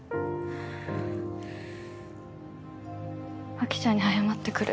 真紀ちゃんに謝ってくる。